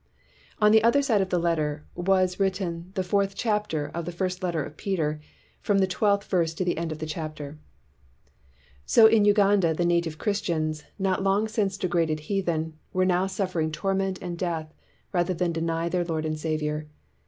On the other side of the letter was writ 247 WHITE MAN OF WORK ten the fourth chapter of the First Letter of Peter, from the twelfth verse to the end of the chapter. So in Uganda the native Christians, not long since degraded heathen, were now suf fering torment and death rather than deny their Lord and Saviour.